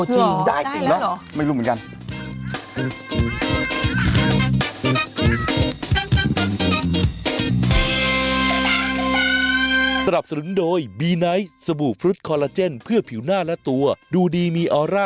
จริงได้จริงแล้วไม่รู้เหมือนกันได้แล้วเหรอ